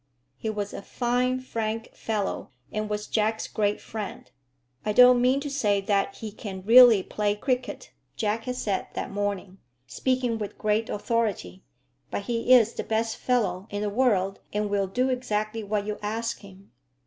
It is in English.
He was a fine frank fellow, and was Jack's great friend. "I don't mean to say that he can really play cricket," Jack had said that morning, speaking with great authority; "but he is the best fellow in the world, and will do exactly what you ask him."